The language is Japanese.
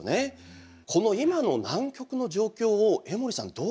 この今の南極の状況を江守さんどうご覧になってますか？